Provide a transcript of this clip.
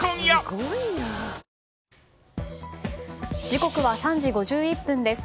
時刻は３時５１分です。